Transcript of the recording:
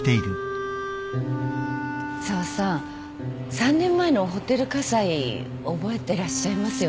３年前のホテル火災覚えてらっしゃいますよね？